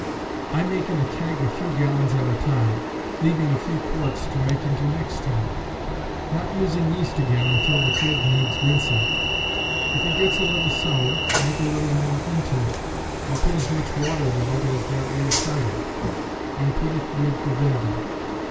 I make in a keg a few gallons at a time, leaving a few quarts to make into next time; not using yeast again until the keg needs rinsing. If it gets a little sour make a little more into it, or put as much water with it as there is cider, and put it with the vinegar.